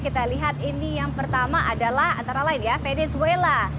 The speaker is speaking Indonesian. kita lihat ini yang pertama adalah antara lain ya venezuela